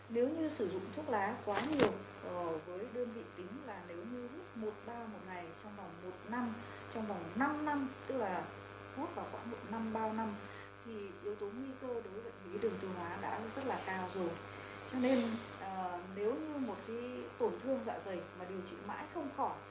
nếu như sử dụng thuốc lá quá nhiều với đơn vị tính là nếu như mỗi đa một ngày trong vòng một năm trong vòng năm năm tức là hốt vào khoảng một năm bao năm